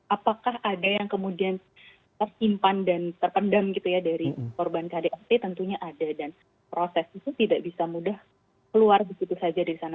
apakah ada yang kemudian tersimpan dan terpendam gitu ya dari korban kdrt tentunya ada dan proses itu tidak bisa mudah keluar begitu saja dari sana